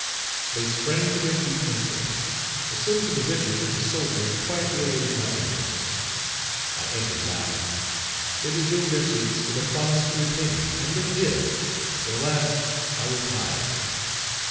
They sprang to their feet instantly, assumed the position of the soldier, and quietly awaited my entrance. I entered laughing. They resumed their seats with a promise to repay me, and they did, for alas! I was "hived."